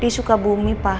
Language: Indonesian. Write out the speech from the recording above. di sukabumi pak